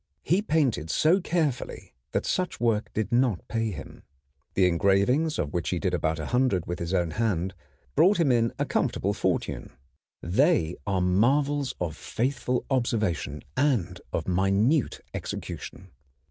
He painted so carefully that such work did not pay him. The engravings, of which he did about 100 with his own hand, brought him in a comfortable fortune. They are marvels of faithful observation and of minute execution.